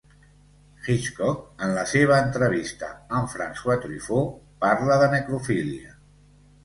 Hitchcock en la seva entrevista amb François Truffaut parla de necrofília.